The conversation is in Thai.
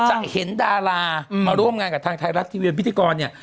จะเห็นดารามาร่วมงานกับทางไทยรัฐทีวีพิธีกรเนี่ย